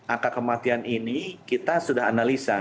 angka kematian ini kita sudah analisa